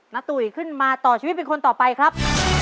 ตุ๋ยขึ้นมาต่อชีวิตเป็นคนต่อไปครับ